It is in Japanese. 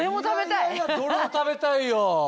いやいやどれも食べたいよ。